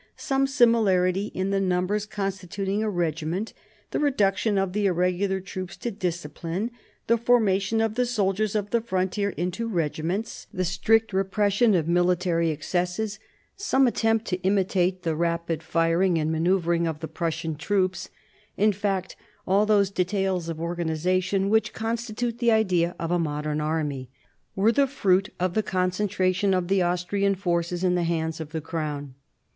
Some similarity in the numbers constituting a regiment^ the reduction of the irregular troops to discipline, the forma tion of the soldiers of the frontier into regiments, the strict repression of military excesses, some attempt to imitate the rapid firing and manoeuvring of the Prussian troops, in fact all those details of organisation which constitute the idea of a modern army, were the fruit of the concentration of the Austrian forces in the hands of the crown.